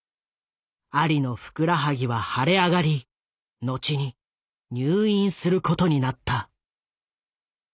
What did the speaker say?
アリのふくらはぎは腫れ上がり後に入院することになった。